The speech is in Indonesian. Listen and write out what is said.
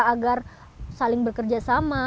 agar saling bekerja sama